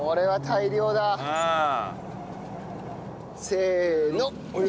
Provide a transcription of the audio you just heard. せーの。